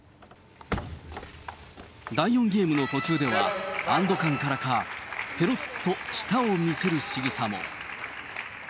第４ゲームの途中では、安ど感からか、ぺろっと舌を見せるしぐさも。